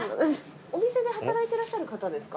お店で働いてらっしゃる方ですか。